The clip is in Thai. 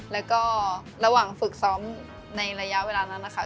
แล้วก็ระหว่างฝึกซ้อมในระยะเวลานั้นนะคะ